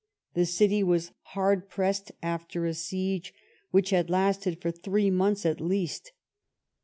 The city was hard pressed, after a siege which had lasted for three months at least.